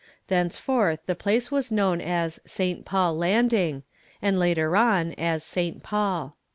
Thenceforth the place was known as 'Saint Paul Landing,' and later on as Saint Paul."